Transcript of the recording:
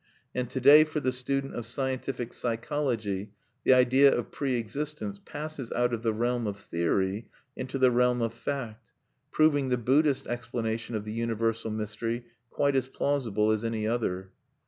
And to day for the student of scientific psychology the idea of pre existence passes out of the realm of theory into the realm of fact, proving the Buddhist explanation of the universal mystery quite as plausible as any other.